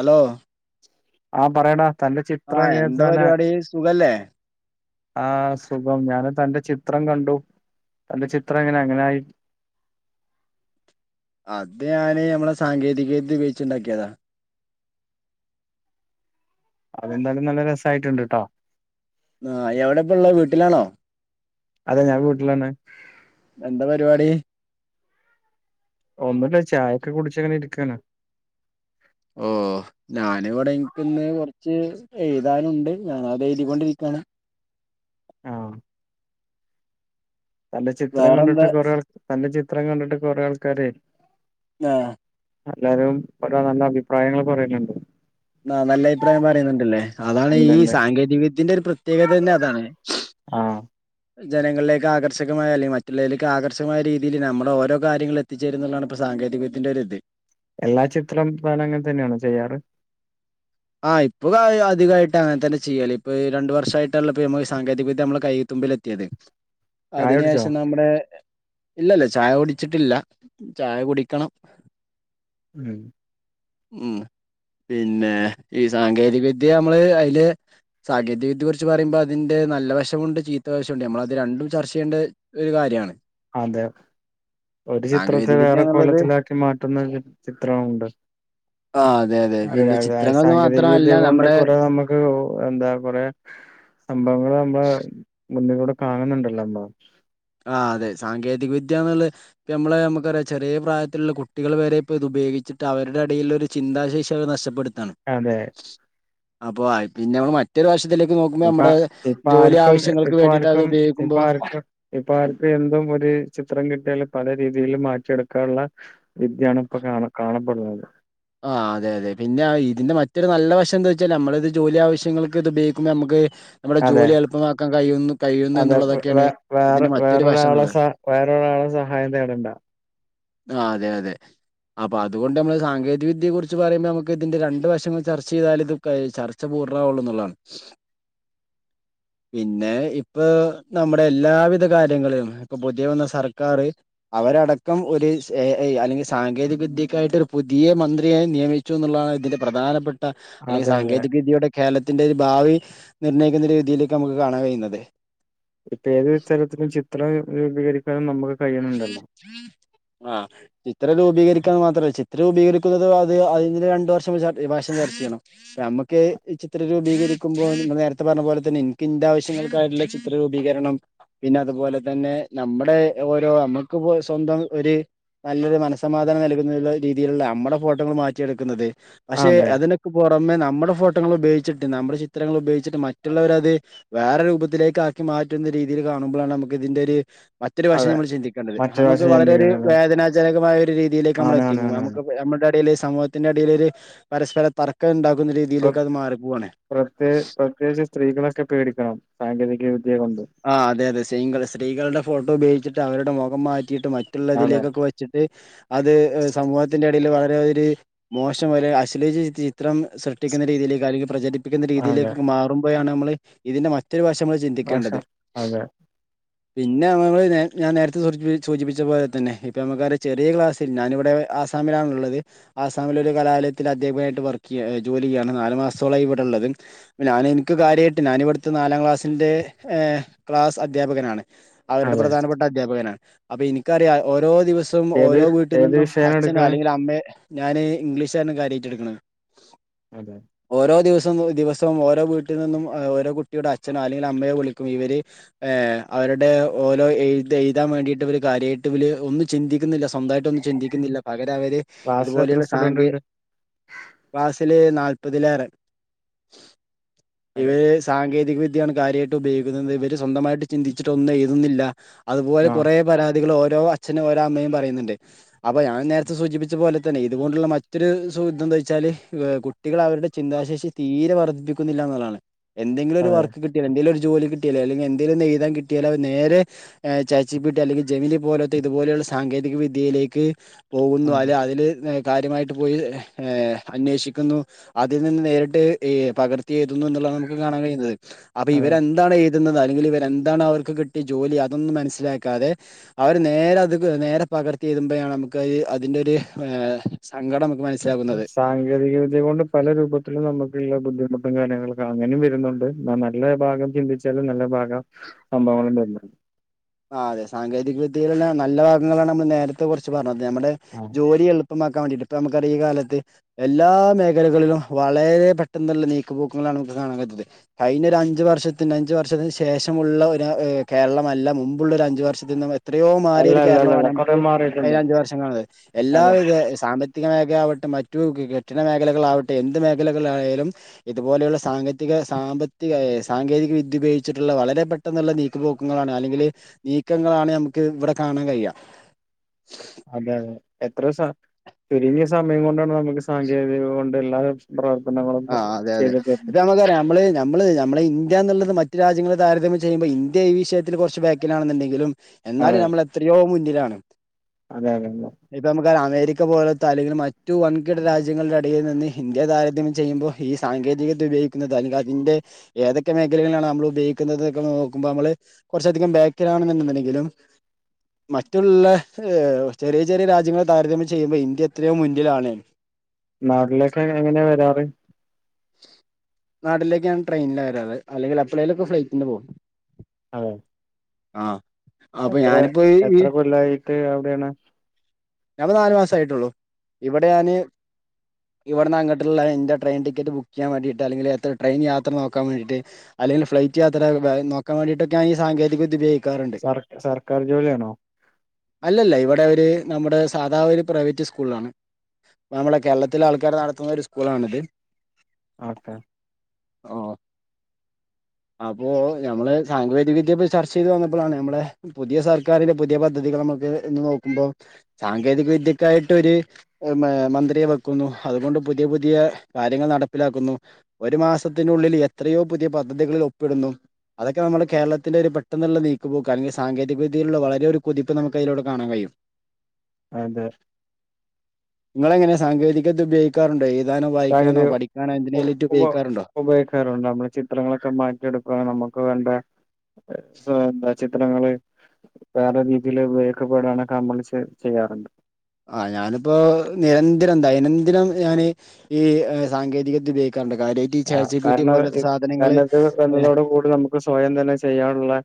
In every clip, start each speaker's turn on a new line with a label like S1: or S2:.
S1: Hello
S2: ആ പറയടാ തന്റെ ചിത്ര
S1: ആഹ്
S2: എങ്ങയെ
S1: എന്താ
S2: താന
S1: പരിപാടി സുഖല്ലേ
S2: ആഹ് സുഖം ഞാന് തന്റെ ചിത്രം കണ്ടു തന്റെ ചിത്രം എങ്ങനെ അങ്ങനായി
S1: അത് ഞാന് നമ്മളെ സാങ്കേതികവിദ്യ ഉപയോയിച്ച്ണ്ടാക്കിയതാ
S2: അതെന്താലും നല്ല രസായിട്ടുണ്ട്ട്ടോ
S1: ആഹ് എവിടെപ്പള്ളഹ് വീട്ടിലാണോ
S2: അതെ ഞാ വീട്ടിലാണ്
S1: എന്താ പരുവാടി
S2: ഒന്നൂല്ല ചായൊക്കെ കുടിച്ച്ങ്ങനെ ഇരിക്കാണ്
S1: ഓഹ് നാനിവടെ ഇൻക്ക് ന്ന് കൊറച്ച് എഴുതാനുണ്ട് ഞാനതെയ്തിക്കൊണ്ടിരിക്യാണ്
S2: ആഹ് അന്റെ ചിത്രം കണ്ടിട്ട്
S1: വേറെന്താ
S2: കൊറേ അന്റെ ചിത്രം കണ്ടിട്ട് കൊറേ ആൾക്കാരെയ്
S1: ആഹ്
S2: ല്ലാരും ഓരോ നല്ല അഭിപ്രായങ്ങൾ പറയല്ണ്ട്
S1: ആഹ് നല്ലയിപ്രായം പറീന്ന്ണ്ട്ല്ലേ അതാണ് ഈ
S2: എന്തെന്റെ
S1: സാങ്കേതികവിദ്യന്റെ ഒര് പ്രത്യേക തന്നെ അതാണ്
S2: ആഹ്
S1: ജനങ്ങലിലേക്ക് ആകർഷകമായ അലെ മറ്റുള്ളലേക്ക് ആകർഷമായ രീതിയിൽ നമ്മളോരോ കാര്യങ്ങളെ എത്തിച്ചേര ന്ന്ള്ളാണ് പ്പ സാങ്കേതിത്തിന്റെരിത്
S2: എല്ലാ ചിത്രം താനങ്ങന തന്നെയാണോ ചെയ്യാറ്
S1: ആഹ് ഇപ്പൊക് അയി അതികായിട്ട് അങ്ങൻതന്ന ചിയ്യല് പ്പ ഈ രണ്ട് വർഷായിട്ടാ ണലോ ഇപ്പ മ്മഈ സാങ്കേതിക വിദ്യ മ്മളെ കൈത്തുമ്പിൽ എത്തിയത് സ്ലിം
S2: ചായ
S1: അതിന്
S2: കുടിച്ചോ
S1: ഏഷം നമ്മടെ ഇല്ലല്ല ചായ കുടിച്ചിട്ടില്ല ചായ കുടിക്കണം
S2: ഉം
S1: ഉം പിന്നെ ഈ സാങ്കേതിക വിദ്യ യമ്മള് അയില് സാഗേതികദ്യയ കുറിച്ച് പറയുമ്പോ അതിന്റെ നല്ല വശമുണ്ട് ചീത്തവശൂണ്ട് നമ്മളത് രണ്ടും ചർച്ച ചെയ്യേണ്ടെ ഒരു കാര്യാണ്
S2: അതെ ഒരു ചിത്രത്തെ
S1: സാങ്കേതിക വിദ്യ
S2: വേറെ
S1: എന്നുള്ളത്
S2: കോലത്തിലാക്കി മാറ്റുന്ന ര് ചിത്രവുണ്ട്
S1: ആ അതെ അതെ
S2: അയ്
S1: പിന്നെ
S2: അഅ
S1: ചിത്രങ്ങൾന്ന്
S2: സാങ്കേതിക വിദ്യ
S1: മാത്രമല്ല നമ്മുടെ
S2: കൊണ്ട് കൊറേ നമ കു എന്താ കൊറെ സംഭവങ്ങള് അമ്മള് മുന്നിലൂടെ കാണുന്നുണ്ടല്ലോ നമ്മള്
S1: ആഹ് അതെ സാങ്കേതിക വിദ്യന്ന്ള്ളത് ഇപ്പ യമ്മളെ യമ്മക്കറിയ ചെറ്യേ പ്രായത്തില്ള്ള കുട്ടികള് വരെ പ്പത് ഉപയോഗിച്ചിട്ട് അവരുടെ എടയിലൊരു ചിന്താശേഷി അവെ നഷ്ടപ്പെടുത്താണ്
S2: അതെ
S1: പ്പോ അയ് പിന്നെമ്മ മാറ്റൊരു വശത്തിലേക്ക് നോക്കുമ്പോൾ
S2: ഇപ്പ
S1: നമ്മുടെ
S2: ഇപ്പ
S1: ജോലി
S2: ആർക്കും
S1: ആവശ്യങ്ങൾക്ക് വേണ്ടിട്ട് അത് ഉപയോഗിക്കുമ്പോ
S2: ഇപ്പൊ ആർക്ക് എന്തും ഒരു ചിത്രം കിട്ടിയാല് പല രീതിൽ മാറ്റിയെടുക്കാനുള്ള വിദ്യയാണ് ഇപ്പൊ കാണ കാണപ്പെടുന്നത്
S1: അഹ് അതെ അതെ പിന്നെ ഇതിന്റെ മറ്റൊരു നല്ല വശം എന്താ വെച്ചാ നമ്മൾ ഇത് ജോലി ആവശ്യങ്ങൾക്ക് ഇത് ഉപയോഗിക്കുമ്പോ നമുക്ക് നമ്മുടെ
S2: അതെ
S1: ജോലി എളുപ്പമാക്കാൻ കഴിയുന്നു കഴിയുന്നു
S2: അതെ
S1: എന്നുള്ളതൊക്കെയാണ്
S2: വേ
S1: ഇതിന്റെ മറ്റൊരു വശന്നുള്ളത്
S2: വേറെ ഒരാളേയും സഹായം തേടണ്ട
S1: ആഹ് അതെ അതെ അപ്പൊ അതുകൊണ്ട് നമ്മള് സാങ്കേ ഈവിദ്യയെ കുറിച്ച് പറയുമ്പോ നമുക്ക് ഇതിന്റെ രണ്ട് വശങ്ങൾ ചർച്ച ചെയ്താൽ ഇത് ചർച്ച പൂർണവുള്ളു എന്നുള്ളാണ് പിന്നെ ഇപ്പൊ നമ്മുടെ എല്ലാവിധ കാര്യങ്ങളും ഇപ്പൊ പുതിയ വന്ന സർക്കാര് അവരടക്കം ഒരു അ അല്ലെങ്കിൽ സാങ്കേതിക വിദ്യക്കായിട്ട് ഒരു പുതിയ മന്ത്രിയായി നിയമിച്ചു എന്നുള്ളതാണ് ഇതിന്റെ പ്രധാനപ്പെട്ട അല്ലെങ്കി
S2: അതെ അതെ
S1: സാങ്കേതിക വിദ്യയുടെ കേരളത്തിന്റെ ഒരു ഭാവി നിർണയിക്കുന്ന ഒരു രീതിയിലേക്ക് നമുക്ക് കാണാൻ കഴിയുന്നത്
S2: ഇപ്പൊ ഏതൊരു തരത്തിലും ചിത്രം രൂപീകരിക്കാനും നമുക്ക് കഴിയുന്നുണ്ടല്ലോ
S1: അഹ് ചിത്രം രൂപീകരിക്കാൻ മാത്രമല്ല ചിത്രം രൂപീകരിക്കുന്നത് അത് അതിന് രണ്ടു വർഷം വാശം ചർച്ച ചെയ്യണം നമുക്ക് ചിത്ര രൂപീകരിക്കുമ്പോൾ നേരത്തെ പറഞ്ഞ പോലെ തന്നെ എനിക്കിന്റെ ആവശ്യങ്ങൾക്കായിട്ടുള്ള ചി ചിത്ര രൂപീകരണം പിന്നെ അതുപോലെ തന്നെ നമ്മുടെ ഓരോ നമ്മുക്കിപ്പോ സ്വന്തം ഒരു നല്ലൊരു മനസ്സമാധാനം നൽകുന്ന രീതിയിലുള്ള നമ്മുടെ ഫോട്ടോകൾ മാറ്റിയെടുക്കുന്നത് പക്ഷെ
S2: അതെ
S1: അതിന് ക്ക് പുറമെ നമ്മുടെ ഫോട്ടോകൾ ഉപയോഗിച്ചിട്ട് നമ്മുടെ ചിത്രങ്ങൾ ഉപയോഗിച്ചിട്ട് മറ്റുള്ളവര് അത് വേറെ രൂബത്തിലേക്കാക്കി മാറ്റുന്ന രീതിയില്കാണുമ്പളാണ് അമുക്ക് ഇതിന്റെര് മ ത്തിരി വശം
S2: അതെ
S1: ഞമ്മൾ ചിന്തിക്കേണ്ടത് ഹമുക്ക്
S2: മറ്റൊരാശയം
S1: വളരെര്
S2: ചിന്തിക്കുന്നത്
S1: വേദനാജനകമായ ഒരു രീതിയിലേക്ക്
S2: ആണ് ആണ്
S1: അമ്മളഎത്തിക്കും
S2: ആണ്
S1: വാമു
S2: ആണ്
S1: ക്ക്പെ അമ്മടെ എടീല് സമൂ ത്തിന്റെടിലൊര് പരസ്പര തർക്കംണ്ടാക്കുന്ന രീതിയിലേക്ക് അത് മാറി പുവാണ്
S2: പ്രേകിച്ച് സ്ത്രീകളൊക്കെ പേടിക്കണം സാങ്കേതിക വിദ്യയെ കൊണ്ട്
S1: അഹ് അതെ അതെ സൈങ്കളെ സ്ത്രീകൾടെ ഫോട്ടോ ബേഗിച്ചിട്ടാ അവരുടെ മൊഖം മാറ്റീട്ടും
S2: അതെ
S1: മറ്റുള്ളതിലേക്കൊക്കു വെ ചിട്ട് അത് സമൂഹത്തിന്റെ എടേലും വളരെ ഒര് മോശം വരെ അശ്ലീജി ചിത്തി ത്രം സൃഷ്ടിക്ക്ന്ന രീതിയില് കാര്യങ്ങൾ പ്രജരിപ്പിക്ക്ന്ന
S2: അതെ
S1: രീതിയിലേക്ക്ക് മാറുമ്പോയാണ് അമ്മ്ള് ഇതിന്റെ മാ റ്റര് വശംമ്മള്
S2: ഭക്ഷ
S1: ചിന്തിക്കേണ്ടത്
S2: അതെ
S1: പിന്നെ മ്മള് നേ ഞാൻ നേരത്തെ സൂചിപി സൂചിപിച്ച പോലെ തന്നെ ഇപ്പ നമുക്കറിയ ചെറിയ ക്ലാസ് തിന്നാന് ഇവ്ടെ ആസാമിലാൺള്ളത് ആസാമിലൊര് കലാലയത്തിൽ അധ്യാപകായിട്ട് വർക്കിയ്യ ജോലി ചെയ്യയാണ് നാല് മാസത്തോളായി ഇവിടെ ഉള്ളത് പഞാന് ൻക്ക് കാര്യയിട്ട് ഞാനിവിട്ത്തെ നാലാക്ലാസ്ൻ്റെ ഏഹ് ക്ലാസ് അധ്യാപകനാണ് അവരുടെ
S2: അതെ
S1: പ്രധാനപ്പെട്ട അധ്യാപകനാണ് അപ്പ ഇൻക്കറിയാം ഓരോ ദിവസ ത്തും
S2: ഏത്
S1: ഓരോ വീട്ടിൽ
S2: ഏത്
S1: നിന്നും
S2: വിഷയാണ്
S1: അച്ഛനോ
S2: എടുക്കണെ
S1: അല്ലെങ്കിൽ അമ്മെ ഞാന് ഇംഗ്ലീഷാണ് കാര്യയ്റ്റ്ട്ക്ക്ണ്
S2: അതെ
S1: ഓരോ ദിവസംബോ ദിവസം ഓരോ വീട്ടിൽ നിന്നും എ ഓരോ കുട്ടിയുടെ അച്ഛനോ അല്ലെങ്കിൽ അമ്മയോ വിളിക്കും ഇവര് ഏഹ് അവരുടെ ഓരോ എഴ്ത്ത് എയ്താൻ വേണ്ടീട്ട് ഇവര് കാര്യയിട്ട്ബ് ല് ഒന്നും ചിന്തിക്ന്നില്ല സ്വന്തായി ട്ടൊന്നു ചിന്തിക്കുന്നില്ല പകരഅവര്
S2: ക്ലാസ്സിൽ എത്ര
S1: ഇതുപോലെയുള്ള
S2: സ്റ്റുഡന്റ്
S1: സാങ്കെ
S2: ഉണ്ട്
S1: ക്ലാസ്സില് നാല്പതിലേറെ
S2: അതെ
S1: ഇവര് സ് സാങ്കേതിക വിദ്യയാണ് കാര്യായിട്ട് ഉപയോഗിക്കുന്നത് ഇവര് സ്വന്തമായിട്ട് ചിന്തിച്ചിട്ടൊന്നഎയ്തുന്നില്ല അത്പോലെ
S2: ആഹ്
S1: കെറേ പരാതികള് ഓരോ അച്ഛനും ഓരോ അമ്മയും പറയുന്നുണ്ട് അപ്പൊ ഞാൻ നേരത്തെ സൂചിപ്പിച്ച പോലെ തന്നെ ഇത്കൊണ്ടുള്ള മറ്റൊരു സുക്‌ത്താന്താച്ചാല് കുട്ടികൾ അവരുടെ ചിന്താശേഷി തീരെ വർദ്ധിപ്പി കുന്നില്ലാന്നുള്ളാണ് എന്തെങ്കിലും ഒരു
S2: അതെ
S1: വർക്ക് കിട്ട്യാല് എന്തേലൊര് ജോലികിട്ട്യാല് അല്ലങ്ങി എന്തേലൊന്ന് എഴ്താൻ കിട്ടിയാലത് നേരെ ഏഹ് ചാച്ചി ബീട്ടി അല്ലെങ്കിൽ ജെമിനി പോലോത്തെ ഇത്പോലെയുള്ള സാങ്കേതിക വിദ്യയിലേക്ക് പോവുന്നു
S2: അതെ
S1: അലെ അതില് കാര്യമായിട്ട് പോയി ഏഹ് അന്വേഷിക്ക്ന്നു അതിൽ നിന്ന് നേരിട്ട് ഏഹ് പകർത്തിയേതുന്നു ന്നുള്ളതാംമുക്ക് കാണാൻ കഴിയുന്നത് അപ
S2: അതെ
S1: ഇവരെന്താണ് ഏതുന്നത് അല്ലെങ്കിൽ ഇവരെന്താണ് അവർക്ക് കിട്ടിയ ജോലി അതൊന്നും മനസ്സിലാക്കാതെ അവര് നേരെ അത്ക് നേരെപകർത്തി ഏതുമ്പയാണ് അമുക്ക് അയീ അതിൻ്റൊര് സങ്കടം മനസ്സിലാകുന്നത്
S2: സാങ്കേതിക വിദ്യ കൊണ്ടും പല രൂപത്തിലും നമ്ക്ള്ളെ ബുദ്ധിമുട്ടും കാര്യങ്ങളൊക്കെ അങ്ങനിംവരുന്നുണ്ട് ന്ന നല്ല ഭാഗം ചിന്തിച്ച് ചെല നല്ല ഭാഗം സംഭവങ്ങള്ണ്ട് എല്ലാം
S1: ആഹ് അതെ സാങ്കേതിക വിദ്യയില്ള്ള നല്ല ഭാഗങ്ങളാണ് നമ്മൾ നേരത്തെ കൊർച്ച് പർഞ്ഞത് യമ്മടെ ജോലിയെൾ പമ്മാക്കാൻ വേണ്ടിട്ട് ഇപ്പ അമ്മക്കാറിയ ഈ കാലത്ത് എല്ലാ മേഖലകളിലും വളരെ പെട്ടെന്ന്ള്ള നീക്ക് പോക്കുങ്ങളാണ് നംക്ക് കാണാകജ്ദ് അയിഞ്ഞൊര അഞ്ചു വർഷത്തിന് അഞ്ചു വർഷത്തിന് ശേഷമുള്ള ഒരാ കേരളമല്ല മും ഫുള്ള് ഒരഅഞ്ചു വർഷതിന്റെ മേൽ എത്രയോ
S2: അല്ല
S1: മാറിയൊര്
S2: അല്ല
S1: കേരളമാണ്
S2: അല്ലല്ല
S1: നമുക്ക്
S2: കൊറേ
S1: കയ്ഞ
S2: മാറിയിട്ടുണ്ട്
S1: അഞ്ച് വർഷങ്ങൾള്ളത് എല്ലാ
S2: അതെ
S1: വിധ സാമ്പ ത്തിക മേഖലാവട്ടെ മറ്റു ഗെകെട്ടിട മേഖലകളാവട്ടെ എന്ത് മേഖലകൾലാണേലും ഇതുപോലെയുള്ള സാങ്കേത്തിക സാമ്പത്തിക സാങ്കേതിക വിദ്യ ഉപയോഗിച്ട്ട്ള്ള വളരെ പ പെട്ടെന്നുള്ള നീക്കപോക്ക്ങ്ങളാണ് അല്ലെങ്കില് നീക്കങ്ങളാണ് നമുക്ക് ഇവിടെ കാണാൻ കഴിയാ
S2: അതെ അതെ എത്രോസ ചുരുങ്ങിയ സമയം കൊണ്ടാണ് നമുക്ക് സാങ്കേതികകൊണ്ട് എല്ലാ പ്രാർത്ഥനകളും
S1: ആഹ് അതെ അതെ ഇത് [unintelligible] നമ്മള്ന നമ്മള് നമ്മളെ ഇന്ത്യ എന്നുള്ളത് മറ്റു രാജ്യങ്ങളെ താരതമ്യം ചെയ്യുമ്പോ ഇന്ത്യ ഈ വിഷയത്തിൽ കുറച്ച് ബാക്കിനാണെന്നുണ്ടെങ്കിലും എന്നാലും
S2: അതെ
S1: നമ്മൾ എത്രയോ മുന്നിലാണ്.
S2: അതെ അതെ അതെ.
S1: ഇപ്പ നമുക്കറിയ അമേരിക്ക പോലത ആണ റ്റു വൻകിട രാജ്യങ്ങളുടെ ഇടയിൽ നിന്ന് ഇന്ത്യ താരത്തിന് ചെയ്യുമ്പോൾ ഈ സാങ്കേതികത ഉപയോഗിക്കുന്നത് അനുരാജിന്റെ ഏതൊക്കെ മേഖലകളാണ് നമ്മള് ഉപയോഗിക്കുന്നത്തൊക്കെ നോക്കുമ്പോൾ നമ്മള് കൊറച്ചധികം ബേക്കിലണന്ന്ണ്ടെങ്കിലും മറ്റുള്ള ഏ ചെറിയ ചെറിയ രാജ്യങ്ങളൾ താരതമ്യം ചെയ്യുമ്പോ ഇന്ത്യ എത്രയോ മുന്നിലാണ്.
S2: നാട്ടിലേക്ക് എങ്ങനെ വരാറ്.
S1: നാടിലേക്കാണ് ട്രെയിനിലാ വരാറ് അല്ലെങ്കിൽ അപ്പളേയിലൊക്കെ ഫ്ലൈറ്റിന് പോവും.
S2: അതെ
S1: ആഹ് അപ്പൊ
S2: എത്ര
S1: ഞാനിപ്പോ ഈ
S2: എത്ര കൊല്ലായിട്ട് അവിടെയാണ്.
S1: ഞാപ്പോ നാല് മാസ ആയിട്ടുള്ളു. ഇവിടെ ഞാന് ഇവിടന്ന് അങ്ങട്ടുള്ള എന്റെ ട്രെയി ടിക്കറ്റ് ബുക്ക് ചെയ്യാൻ വേണ്ടിട്ട്ല്ലെങ്കിൽ ടെയിൻയാത്ര നോക്കാൻ വേണ്ടിയിട്ട് അല്ലെങ്കിലും ഫ്ലറ്റ് യാത്ര നോക്കാൻ വേണ്ടിട്ടൊക്കെ ഈ സാങ്കേതികവിദ്യ ഉപയോഗി
S2: സർ സർക്കാർ ജോലിയാണോ?
S1: അല്ലല്ല ഇവിടെ ഒര് നമ്മുടെ സാദാ ഒരു പ്രൈവറ്റ് സ്കൂളാണ്. നമ്മളെ കേരളത്തിലെ ആൾക്കാർ നടത്തുന്ന ഒരു സ്കൂളാണിത്.
S2: ഓക്കെ
S1: ഓ അപ്പോ നമ്മള് സാങ്കേതിക വിദ്യെ പോ ചർച്ച ചെയ്ത് വന്നപ്പോഴാണ് നമ്മളെ പുതിയ സർക്കാരിന്റെ പുതിയ പദ്ധതികൾ നമുക്ക് ഇന്ന് നോക്കുമ്പോൾ സാങ്കേതിക വിദ്യക്കായിട്ട് ഒരു മന്ത്രിയെ വെക്കുന്നുഅതുകൊണ്ട് പുതിയ പുതിയ കാര്യങ്ങൾ നട പ്പിലാക്കുന്നു ഒരു മാസത്തിനുള്ളിൽ എത്രയോ പുതിയ പദ്ധതികളിൽ ഒപ്പിടുന്നു. അതൊക്കെ നമ്മുടെ കേരളത്തിലൊരു പെട്ടെന്നുള്ള നീക്കുപോക്ക് അങ്കിൽ സാങ്കേതിക വിദ്യയിലുള്ള വളരെ ഒരു കൊതിപ്പ് നമക്ക് അയ് ലൂടെ കാണൻ കഴിയും.
S2: അതെ
S1: ഇങ്ങള് എങ്ങനെ സാങ്കേതികത ഉപയോഗിക്കാറുണ്ടോ എഴുതാനോ വായിക്കാനോ
S2: താങ്കള്
S1: പഠി ൻ
S2: ഉ
S1: എന്തിനേലുറ്റു
S2: ഉപ
S1: ഉപയോഗിക്കാറു ണ്ടോ?
S2: ഉപയോഗിക്കാറുണ്ട് നമ്മള് ചിത്രങ്ങളൊക്കെ മാറ്റിയെടുക്കുവാനും നമുക്ക് വേണ്ട [unintelligible] ചിത്രങ്ങള് വേറെ രീതിൽ ഉപ യോഗിക്കപ്പെടാൻ നമ്മൾ ചെയ്യാറുണ്ട്.
S1: ആഹ് ഞാനിപ്പോ നിരന്തരം ദൈനംദിനം ഞാന് ഈ സാങ്കേതികവിദ്യ ഉപയോഗിക്കാറുണ്ട് കാര്യ
S2: ആ കാരണം കാരണത് വന്നതോട് കൂടെ നമുക്ക് സ്വയം തന്നെ ചെയ്യാനുള്ളെ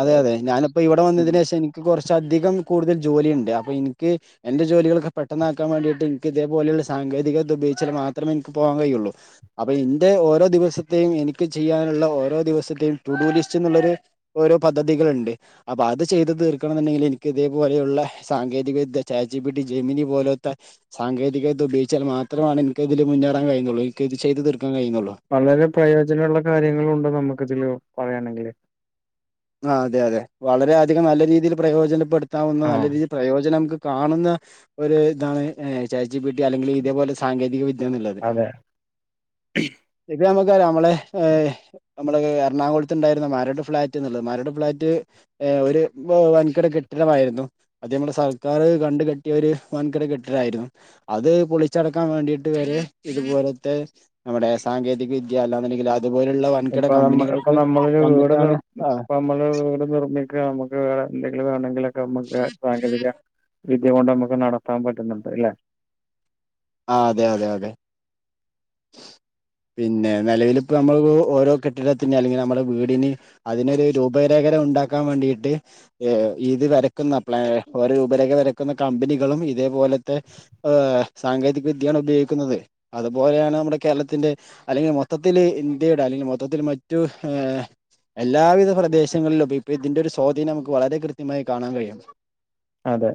S1: അതെ അതെ ഞാനിപ്പോ ഇവിടെ വന്നതിന് ശേഷം എനിക്ക് കുറച്ചധികം കൂടുതൽ ജോലി ഇണ്ട് അപ്പൊ ഇനിക്ക് എന്റെ ജോലികളൊക്കെ പെട്ടന്നാക്കാൻ വേണ്ടിയിട്ട് എക്ക്‌ ഇതേപോലുള്ള സാങ്കേതികദ്യ ഉപയോഗിച്ച മാത്രേമെ എനിക്ക് പോവാൻ കയിയുള്ളൂ അപ്പൊ ഇന്റെ ഓരോ ദിവസത്തെയും എനിക്ക് ചെയ്യാനുള്ള ഓരോ ദിവസത്തെയും ടുടൂലിസ്റ്റ് ന്നുള്ളൊര് ഓരോ പദ്ധതികളിണ്ട് അപ്പൊ അത് ചെയ്ത് തീർക്കണം ന്നുണ്ടെങ്കില് എനിക്ക് ഇതേപോലെയുള്ള സാങ്കേതിക വിദ്യ ചാറ്റ് ജിപിട്ടി, ജെമിനി പോലത്തെ സാങ്കേതിക വിദ്യ ഉപയോഗിച്ചാൽ മാത്രമാണ് എനക്കതില് മുന്നേറാൻ കഴിയുന്നുള്ളൂ എനിക്കത് ചെയ് തീർക്കാൻ കഴിയുന്നുള്ളു.
S2: വളരെ പ്രയോജനമുള്ള കാര്യങ്ങളുണ്ട് നമുക്ക് ഇതില് പറയാണെങ്കില്
S1: ആഹ് അതെ അതെ വളരെ അധികം നല്ല രീതിയില് പ്രയോജനപ്പെടുത്താവുന്ന
S2: ആ
S1: നല്ല രീതിയിൽ പ്രയോജനം നമുക്ക് കാണുന്ന ഒരു ഇതാണ് ചാറ്റ്ജിപിട്ടി അല്ലെങ്കില് ഇതേപോലെ സാങ്കേതിക വിദ് ദ്യാന്നുള്ളത്.
S2: അതെ
S1: ഇപ്പ ഞമ്മക്കറ്യ അമ്മെളെ ഏഹ് അമ്മള് എർണാകാെൾത്ത്ണ്ടായ്ര്ന്ന മരട് ഫ്ളാ റ്റ്ന്ന്ള്ളെത് മരട് ഫ്ളാറ്റ് ഏഹ് ഒര് ബോ വൻകിട കെട്ടിടമായ്ര്ന്നു അത് ഞമ്മളെ സർക്കാര് കണ്ട് കെട്ട്യൊര് വൻകിട കെട്ടിടായിര്ന്നു അത് പൊളിച്ചടക്കാം വേണ്ടീട്ട് വെരെ ഇത് പോലെത്തെ നമ്മടെ സാങ്കേതിക വിദ്യ അല്ലാന്ന്ണ്ടെങ്കില് അത്പോലെയുള്ള വൻകിട
S2: ഇപ്പൊ നമ്മ
S1: കമ്പ്നികൾക്ക് വന്നിട്ടാണ് ആ
S2: പ്പമ്മള് വീട് നിർമ്മിക്കാ അമ്മക്ക് വേറെ ന്തെങ്കിലും വേണെങ്കിലൊക്കെ നമുക്ക് സാങ്കേതിക വിദ്യ കൊണ്ട് നമ്ക്ക് നടത്താം പറ്റുന്നുണ്ട് ഇല്ലെ
S1: ആഹ് അതെ അതെ അതെ പിന്നെ നെലവ്‌ല്‌പ്പൊ നമ്മള് ഓരോ കെട്ടിടത്തിന് അല്ലെങ്കില് നമ്മളെ വീടിന് അതിനൊര് രൂപരേഖര ഉണ്ടാക്കാം വേണ്ടീട്ട് ഏഹ് ഇത് വരക്ക്ന്ന പ്ലെ ഓരോ രൂപരേഖ വരക്കുന്ന കമ്പനികളും ഇതേപോലെത്തെ ഏഹ് സാങ്കേതിക വിദ്യാണ് ഉപയോഗിക്കുന്നത് അതുപോലേ നമ്മുടെ കേരളത്തിന്റെ അല്ലെങ്കി മൊത്തത്തില് ഇന്ത്യയുടെ അല്ലെങ്കി മൊത്തത്തില് മറ്റു ഏഹ് എല്ലാവിധ പ്രദേശങ്ങൾലും പ് പ്പ ഇതിന്റൊരു സ്വാധീനമുക്ക് വളരെ കൃത്യമായി കാണാം കഴിയും
S2: അതെ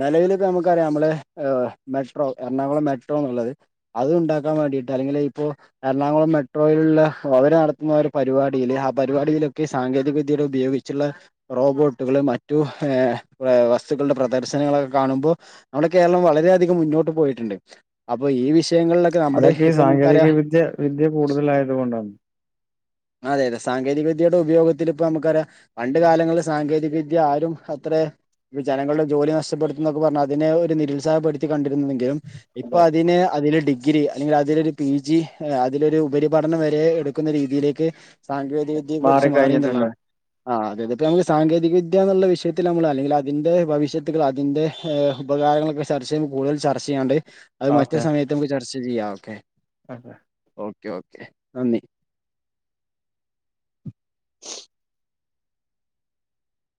S1: നെലവ്‌ല്‌പ്പോ നമുക്കറ്യാ അമ്മെള് ഏഹ് മെട്രോ എർണാകുളം മെട്രോന്ന്ള്ളെത് അത് ഉണ്ടാക്കാം വേണ്ടീട്ട് അല്ലെങ്കില് ഇപ്പോ എർണാകുളം മെട്രോയില്ള്ള ഓഹ് അവര് നടത്ത്ന്ന ഒരു പരുവാടിയില് ആ പര്വാടിയിലൊക്കെ സാങ്കേതിക വിദ്യയുടെ ഉപയോഗിച്ച്ള്ളെ റോബോട്ടുകള് മറ്റു ഏഹ് വസ്തുക്കൾടെ പ്രദർശ് ത്തനങ്ങളെക്കെ കാണുമ്പോ നമ്മുടെ കേരളം വളരേ അധികം മുന്നോട്ട് പോയിട്ട് ണ്ട് അപ്പൊ ഈ വിഷയങ്ങൾലൊ
S2: അതൊക്കെ ഈ സാങ്കേതിക വിദ്യ വിദ്യ കൂട്തലായത് കൊണ്ടാണ്
S1: അതെ അതെ സാങ്കേതിക വിദ്യയുടെ ഉപയോഗത്തില്‌പ്പ നമുക്കറ്യാ പണ്ട് കാലങ്ങൾല് സാങ്കേതിക വിദ്യ ആരും അത്രെ വ് ജനങ്ങൾടെ ജോലി നഷ് ട്ടപ്പെട്ത്തുംന്നൊക്കെ പർഞ്ഞ് അതിനെ ഒരു നിരുത്സാഹപ്പെട്ത്തി കണ്ടിരുന്നുവെങ്കിലും ഇപ്പാെ
S2: അതെ
S1: അതിനെ അതില് ഡി ഡിഗ്രി അല്ലെങ്കിലതിലൊരു പി ജി അതിലൊരു ഉപരിപഠനം വെരേ എട്ക്കുന്ന രീതിയിലേക്ക് സാങ്കേതിക വിദ്യയെ കുറിച്ച്
S2: മാറിക്കഴിഞ്ഞിട്ടുണ്ട്
S1: മാറീന്ന്ള്ളാണ് ആഹ് അതെ അതെ ഇപ്പ നമുക്ക് സാങ്കേതി വിദ്യാന്ന്ള്ള വിഷയത്തില് അമ്മെള് അല്ലെങ്കിലതിന്റെ ഭവിഷത് കള് അതിന്റെ ഏഹ് ഉപകാരങ്ങളൊക്കെ ചർച്ചെയ്യ്മ്പോ കൂട്തൽ ചർച്ചെയ്യാണ്ട് അത്
S2: ഓക്കെ
S1: മറ്റൊരു സമയ ത്ത് ചർച്ച ചെയ്യാം ഓക്കെ
S2: [unintelligible]
S1: ഓക്കെ ഓക്കെ നന്ദി